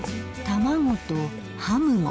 卵とハムも。